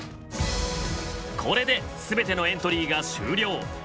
これで全てのエントリーが終了。